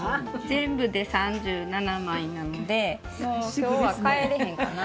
全部で３７枚なのでもう今日は帰れへんかな。